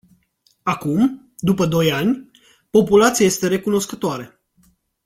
Acum, după doi ani, populația este recunoscătoare.